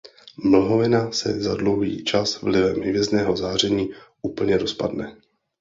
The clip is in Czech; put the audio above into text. Mlhovina se za dlouhý čas vlivem hvězdného záření úplně rozpadne.